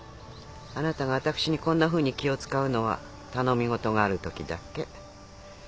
あなたが私にこんなふうに気を遣うのは頼みごとがあるときだけ。